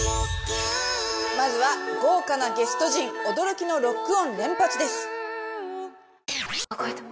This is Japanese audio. まずは豪華なゲスト陣驚きのロックオン連発です！